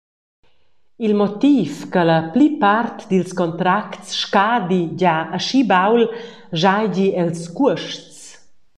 Il motiv che la plipart dils contracts scadi gia aschi baul schaigi els cuosts.